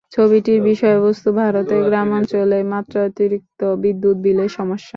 ছবিটির বিষয়বস্তু ভারতের গ্রামাঞ্চলে মাত্রাতিরিক্ত বিদ্যুৎ বিলের সমস্যা।